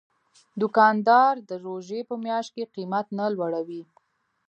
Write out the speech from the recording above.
دوکاندار د روژې په میاشت کې قیمت نه لوړوي.